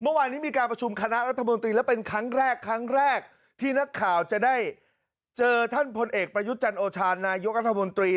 เมื่อวานนี้มีการประชุมคณะรัฐมนตรีแล้วเป็นครั้งแรกครั้งแรกที่นักข่าวจะได้เจอท่านพลเอกประยุทธ์จันโอชานายกรัฐมนตรี